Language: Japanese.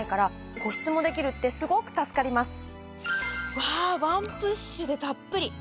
うわぁワンプッシュでたっぷり。